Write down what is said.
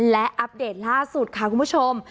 และอัปเดตล่าสุดค่ะคุณผู้ชม